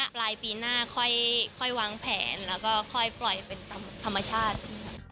ปลายปีหน้าค่อยวางแผนแล้วก็ค่อยปล่อยเป็นธรรมชาติ